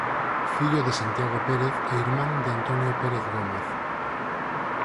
Fillo de Santiago Pérez e irmán de Antonio Pérez Gómez.